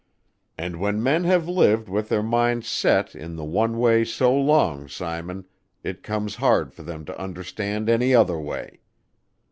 And when men have lived with their minds set in the one way so long, Simon, it comes hard for them to understand any other way.